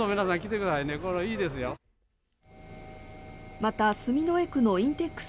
また、住之江区のインテックス